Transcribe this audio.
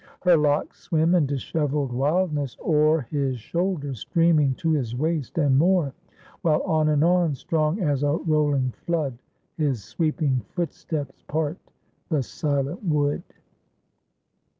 Her locks swim in dishevelled wildness o'er His shoulders, streaming to his waist and more; While on and on, strong as a rolling flood, His sweeping footsteps part the silent wood."